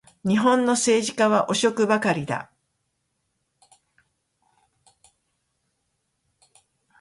日本の政治家は汚職ばかりだ